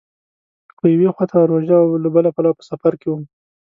خو یوې خوا ته روژه او له بله پلوه په سفر کې وم.